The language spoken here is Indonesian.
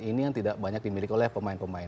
ini yang tidak banyak dimiliki oleh pemain pemain